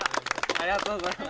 ありがとうございます。